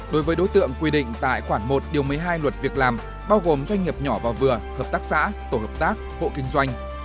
đối với đối tượng quy định tại khoản một điều một mươi hai luật việc làm bao gồm doanh nghiệp nhỏ và vừa hợp tác xã tổ hợp tác hộ kinh doanh